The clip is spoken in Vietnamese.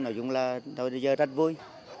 nói chung là tôi bây giờ rất vui